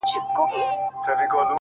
ستا تصوير خپله هينداره دى زما گراني ـ